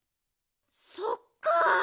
そっかあ。